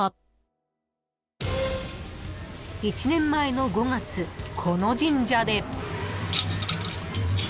［１年前の５月この神社で］